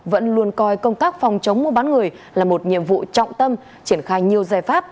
vẫn luôn coi công tác phòng chống mua bán người là một nhiệm vụ trọng tâm triển khai nhiều giải pháp